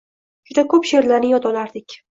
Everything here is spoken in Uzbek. Juda ko`p she`rlarni yod olardik